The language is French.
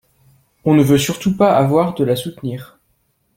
on ne veut surtout pas avoir de la soutenir.